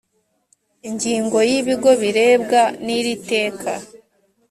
ingingo ya ibigo birebwa n iri teka